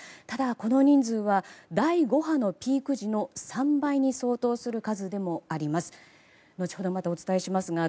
ただ、この人数は第５波のピーク時の３倍に相当する数でもあります。